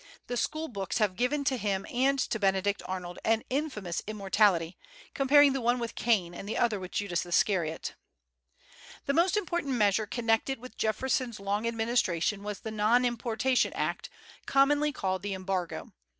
The school books have given to him and to Benedict Arnold an infamous immortality, comparing the one with Cain, and the other with Judas Iscariot. The most important measure connected with Jefferson's long administration was the Non importation Act, commonly called the Embargo.